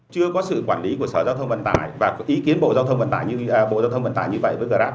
có sự quản lý của sở giao thông vận tải và ý kiến bộ giao thông vận tải như vậy với grab